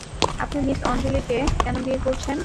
আপনি মিস আঞ্জলিকে কেন বিয়ে করছেন?